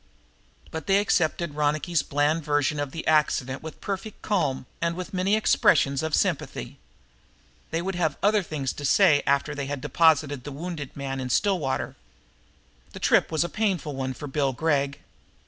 But they accepted Ronicky's bland version of the accident with perfect calm and with many expressions of sympathy. They would have other things to say after they had deposited the wounded man in Stillwater. The trip in was a painful one for Bill Gregg.